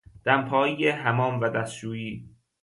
دمپایی حمام و دستشویی